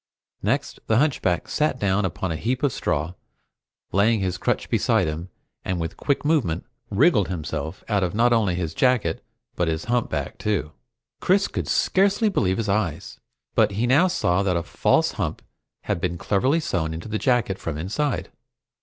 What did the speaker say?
Next, the hunchback sat down upon a heap of straw, laying his crutch beside him, and with a quick movement, wriggled himself out of not only his jacket but his humpback too! Chris could scarcely believe his eyes, but he now saw that a false hump had been cleverly sewn into the jacket from inside.